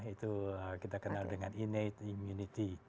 itu kita kenal dengan inate immunity